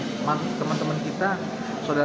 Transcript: saya yakin kan kalau di kamar kami tidak ada